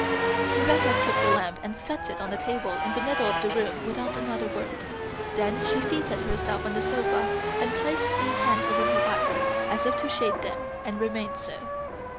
Rebecca took the lamp and set it on the table in the middle of the room without another word. Then she seated herself on the sofa and placed a hand over her eyes as if to shade them, and remained so.